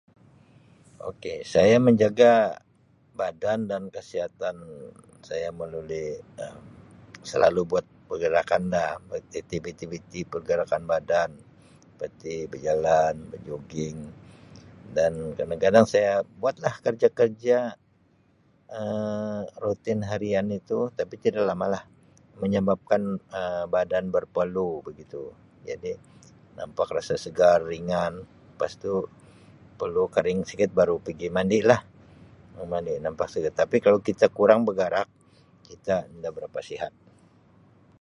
Ok saya menjaga badan dan kesihatan saya melalui Um selalu buat pergerakan lah buat aktiviti-aktiviti pergerakan badan seperti berjalan, berjogging dan kadang-kadang saya buat lah kerja-kerja Um rutin harian itu tapi tidak lama lah menyebabkan Um badan berpeluh begitu jadi nampak rasa segar ringan lepas tu peluh kering sikit baru pigi mandi lah baru mandi nampak segar tapi kalau kita kurang begarak kita nda berapa sihat.